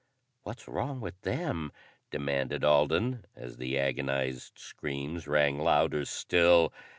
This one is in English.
"What's wrong with them?" demanded Alden as the agonized screams rang louder still.